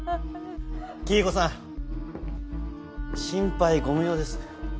黄以子さん心配ご無用です。